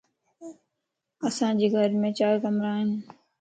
اسان جي گھرم چار ڪمرا ان